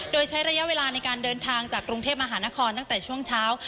โดยใช้ระยะเวลาในการเดินทางจากกรุงเทพมหานครตั้งแต่ช่วงเช้า